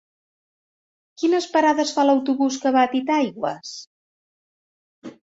Quines parades fa l'autobús que va a Titaigües?